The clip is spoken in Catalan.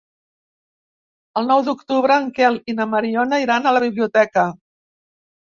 El nou d'octubre en Quel i na Mariona iran a la biblioteca.